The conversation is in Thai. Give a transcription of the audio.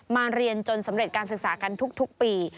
มาเรียนจนสำเร็จการศึกษากันทุกปี